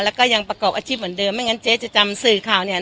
แล้วก็ยังประกอบอาชีพเหมือนเดิมไม่งั้นเจ๊จะจำสื่อข่าวเนี่ย